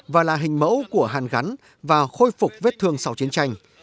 và là hình mẫu của hàn gắn và khôi phục vết thương sau chiến tranh